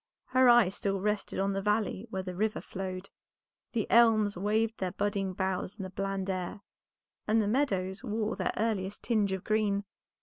Her eye still rested on the valley where the river flowed, the elms waved their budding boughs in the bland air, and the meadows wore their earliest tinge of green.